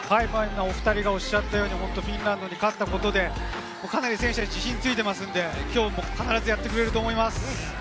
お２人がおっしゃったようにフィンランドに勝ったことで、かなり選手たち、自信ついてますんで、きょうも必ずやってくれると思います。